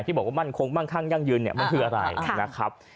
ที่บอกว่ามันคงมั่งข้างยั่งยืนมันคืออะไรนะครับ